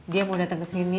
dia mau datang kesini